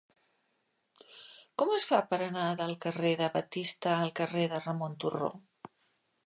Com es fa per anar del carrer de Batista al carrer de Ramon Turró?